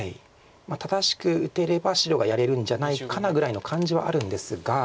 正しく打てれば白がやれるんじゃないかなぐらいの感じはあるんですが。